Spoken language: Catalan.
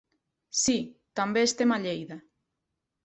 Sí, també estem a Lleida.